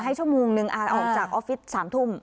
ให้ชั่วโมงหนึ่งออกจากออฟฟิลล์๓ทุ่ม